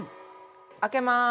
◆開けまーす。